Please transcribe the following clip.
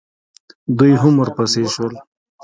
دوئ هم ورپسې شول.